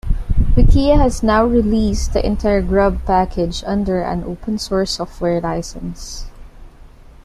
Wikia has now released the entire Grub package under an open source software license.